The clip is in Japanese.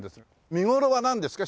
見頃はなんですか？